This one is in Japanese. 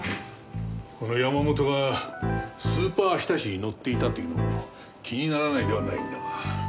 この山本がスーパーひたちに乗っていたというのは気にならないではないんだが。